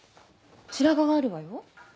白髪があるわよ。